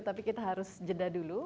tapi kita harus jeda dulu